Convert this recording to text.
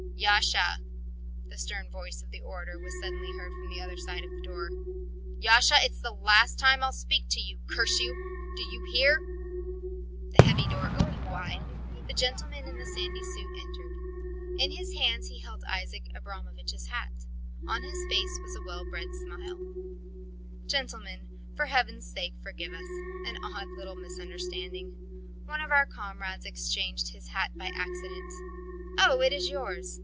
"Yasha!" The stern voice of the orator was suddenly heard from the other side of the door. "Yasha! It's the last time I'll speak to you, curse you! ... Do you hear?" The heavy door opened wide. The gentleman in the sandy suit entered. In his hands he held Isaac Abramovich's hat; on his face was a well bred smile. "Gentlemen, for Heaven's sake forgive us an odd little misunderstanding. One of our comrades exchanged his hat by accident... Oh, it is yours!